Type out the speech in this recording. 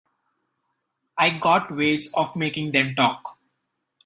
I got ways of making them talk.